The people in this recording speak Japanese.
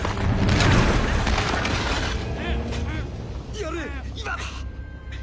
やれ今だ！